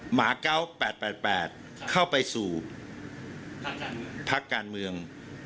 หมา๙๘๘เข้าไปสู่พักการเมือง